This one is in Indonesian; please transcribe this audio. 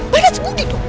banyak sekali itu